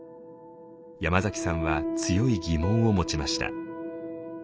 山崎さんは強い疑問を持ちました。